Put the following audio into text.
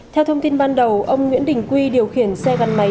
theo thông tin ban đầu ông nguyễn đình quy điều khiển xe gắn máy